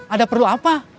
ada perlu apa